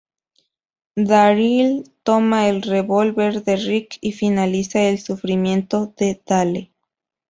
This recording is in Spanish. Daryl toma el revólver de Rick y finaliza el sufrimiento de Dale.